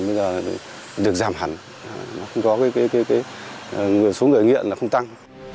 bây giờ được giảm hẳn số người nghiện không tăng